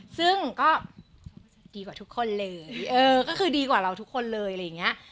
ซึ่งก็ดีกว่าทุกคนเลยก็คือดีกว่าเราทุกคนเลย